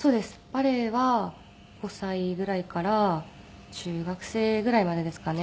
バレエは５歳ぐらいから中学生ぐらいまでですかね。